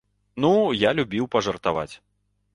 Ну, я любіў пажартаваць.